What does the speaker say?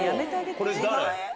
これ誰？